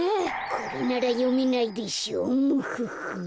これならよめないでしょムフフ。